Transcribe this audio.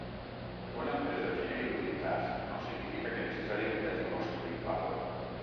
Que una empresa generi utilitats no significa que necessàriament hagi construït valor.